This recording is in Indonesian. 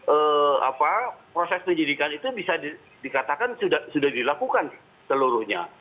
eee apa proses penyidikan itu bisa dikatakan sudah dilakukan seluruhnya